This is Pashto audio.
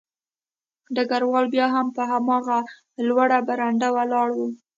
ډګروال بیا هم په هماغه لوړه برنډه ولاړ و